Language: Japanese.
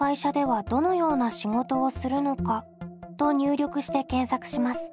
と入力して検索します。